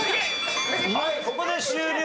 ここで終了。